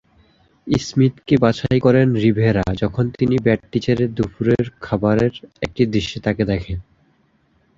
স্মিথকে বাছাই করেন রিভেরা যখন তিনি ব্যাড টিচার-এর দুপুরের খাবারের একটি দৃশ্যে তাকে দেখেন।